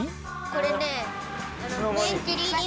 これね。